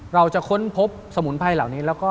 เราจะค้นภพสมุนไพรเหล่านี้